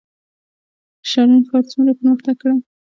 شرن ښار څومره پرمختګ کړی؟